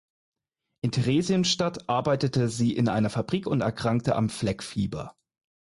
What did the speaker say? In Theresienstadt arbeitete sie in einer Fabrik und erkrankte am Fleckfieber.